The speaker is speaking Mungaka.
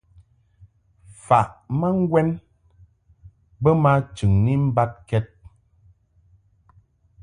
Faʼ ma ŋgwɛn bə ma chɨŋni mbad kɛd.